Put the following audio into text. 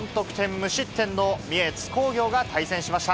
無失点の三重・津工業が対戦しました。